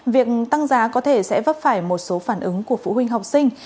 việc tăng giá có thể sẽ vấp phải một số phản ứng của phụ huynh học sinh